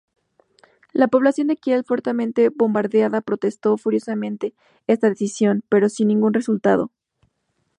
La población de Kiel fuertemente bombardeada protestó furiosamente esta decisión, pero sin ningún resultado.